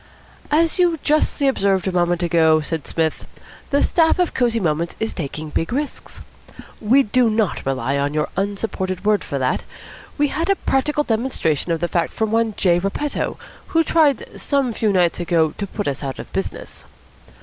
"As you justly observed a moment ago," said Psmith, "the staff of Cosy Moments is taking big risks. We do not rely on your unsupported word for that. We have had practical demonstration of the fact from one J. Repetto, who tried some few nights ago to put us out of business.